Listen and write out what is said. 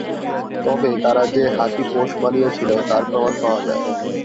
তবে তারা যে হাতি পোষ মানিয়েছিল তার প্রমাণ পাওয়া যায়।